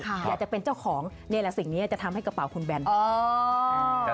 อยากจะเป็นเจ้าของนี่แหละสิ่งนี้จะทำให้กระเป๋าคุณแบน